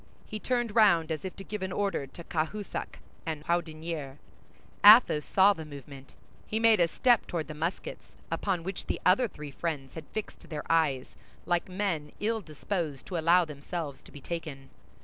He turned round as if to give an order to Cahusac and Houdinière. Athos saw the movement; he made a step toward the muskets, upon which the other three friends had fixed their eyes, like men ill disposed to allow themselves to be taken.